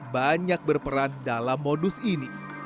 banyak berperan dalam modus ini